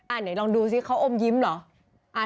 ไหนลองดูสิเขาอมยิ้มเหรอ